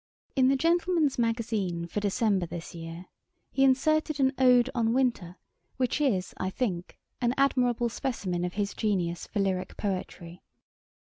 In the Gentleman's Magazine for December this year, he inserted an 'Ode on Winter,' which is, I think, an admirable specimen of his genius for lyrick poetry.